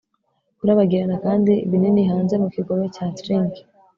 Kurabagirana kandi binini hanze mu kigobe cya tranquil